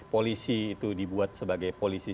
polisi itu dibuat sebagai polisi